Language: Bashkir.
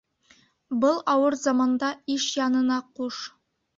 Был ауыр заманда иш янына ҡуш.